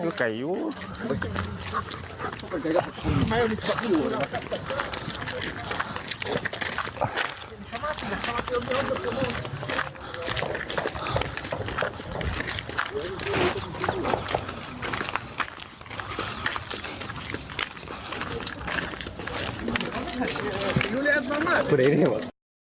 ไม่มีหรอก